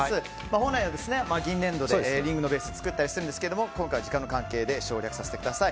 本来は銀粘土でリングのベースを作ったりするんですが今回は時間の関係で省略させてください。